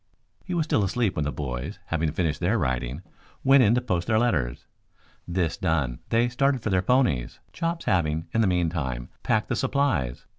He was still asleep when the boys, having finished their writing, went in to post their letters. This done they started for their ponies, Chops having, in the meantime, packed the supplies.